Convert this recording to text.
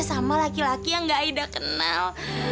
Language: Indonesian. sama laki laki yang gak ida kenal